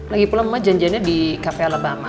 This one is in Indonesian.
lagi pulang mama janjiannya di cafe alabama